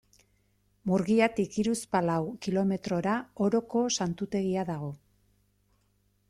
Murgiatik hiruzpalau kilometrora Oroko Santutegia dago.